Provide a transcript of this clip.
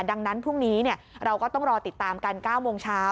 ดังนั้นพรุ่งนี้เราก็ต้องรอติดตามกัน๙โมงเช้า